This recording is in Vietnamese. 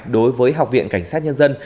đối với học viện cảnh sát nhân dân